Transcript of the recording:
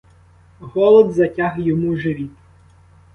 Голод затяг йому живіт.